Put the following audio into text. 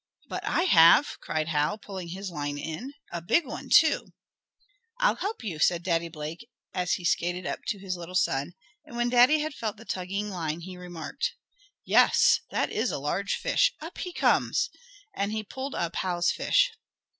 "But I have!" cried Hal, pulling his line in. "A big one, too!" "I'll help you," said Daddy Blake, as he skated up to his little son, and when Daddy had felt of the tugging line he remarked: "Yes, that is a large fish! Up he comes!" And he pulled up Hal's fish.